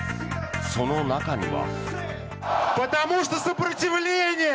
その中には。